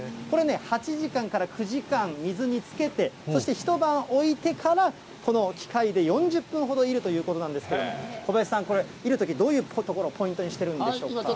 これね、８時間から９時間、水につけて、そして一晩置いてから、この機械で４０分ほどいるということなんですけども、小林さん、これ煎るとき、どういうところをポイントにしているんでしょうか。